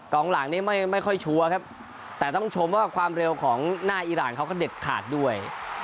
องหลังนี้ไม่ค่อยชัวร์ครับแต่ต้องชมว่าความเร็วของหน้าอีรานเขาก็เด็ดขาดด้วย